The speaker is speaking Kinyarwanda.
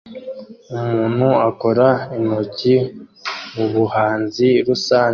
Umuntu akora intoki mubuhanzi rusange